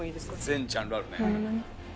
全ジャンルあるね。